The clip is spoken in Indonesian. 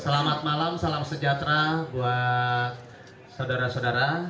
selamat malam salam sejahtera buat saudara saudara